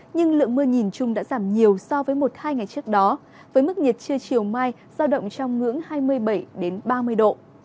nhưng lượng mưa nhìn chung đã giảm nhiều so với một hai ngày trước đó với mức nhiệt trưa chiều mai giao động trong ngưỡng hai mươi bảy ba mươi độ